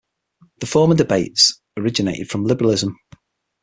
The former debates originated from liberalism.